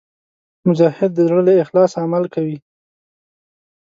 مجاهد د زړه له اخلاصه عمل کوي.